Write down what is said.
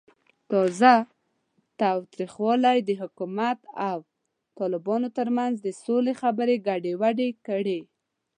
تازه تاوتریخوالی د حکومت او طالبانو ترمنځ د سولې خبرې ګډوډې کړې.